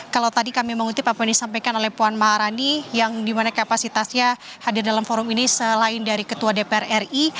kalau tadi kami mengutip apa yang disampaikan oleh puan maharani yang dimana kapasitasnya hadir dalam forum ini selain dari ketua dpr ri